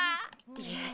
いえ。